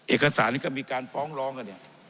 เอกสารที่ก็มีการฟ้องร้องกันเนี่ย